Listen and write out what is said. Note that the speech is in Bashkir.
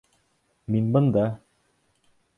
Мин бында.